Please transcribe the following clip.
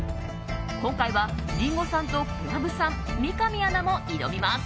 今回はリンゴさんと小籔さん三上アナも挑みます。